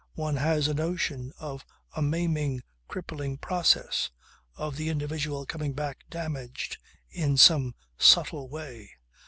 One has a notion of a maiming, crippling process; of the individual coming back damaged in some subtle way.